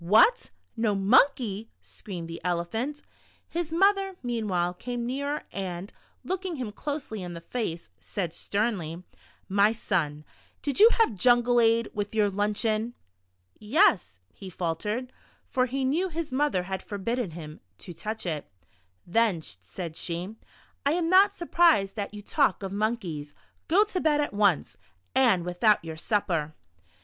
"What, no monkey?" screamed the Elephant. His mother, meanwhile, came nearer, and looking him closely in the face, said sternly :" My son, did you have jungle ade with your lunch eon?" "Yes," he faltered (for he knew his mother had forbidden him to touch it). "Then," said she, "I am not surprised that you talk of monkeys. Go to bed at once, and Avithout your supper."